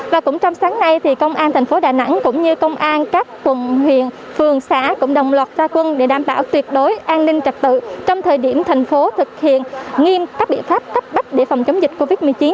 và cũng trong sáng nay công an tp đà nẵng cũng như công an các quận huyện phường xã cũng đồng loạt gia quân để đảm bảo tuyệt đối an ninh trật tự trong thời điểm tp thực hiện nghiêm các biện pháp cấp bách để phòng chống dịch covid một mươi chín